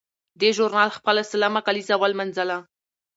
دې ژورنال خپله سلمه کالیزه ولمانځله.